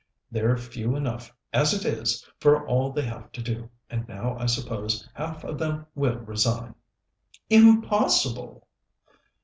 They're few enough, as it is, for all they have to do, and now I suppose half of them will resign." "Impossible!"